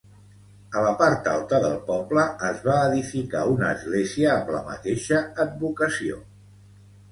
A la part alta del poble es va edificar una església amb la mateixa advocació.